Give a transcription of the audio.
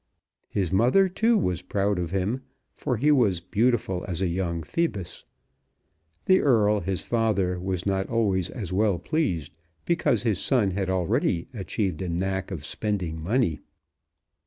His mother, too, was proud of him, for he was beautiful as a young Phoebus. The Earl, his father, was not always as well pleased, because his son had already achieved a knack of spending money.